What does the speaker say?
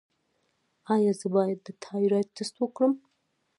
ایا زه باید د تایرايډ ټسټ وکړم؟